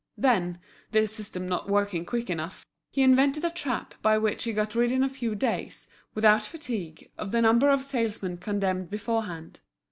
Then, this system not working quick enough, he invented a trap by which he got rid in a few days, without fatigue, of the number of salesmen condemned beforehand.